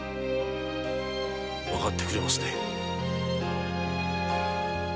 わかってくれますね？